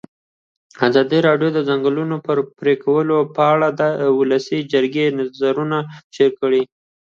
ازادي راډیو د د ځنګلونو پرېکول په اړه د ولسي جرګې نظرونه شریک کړي.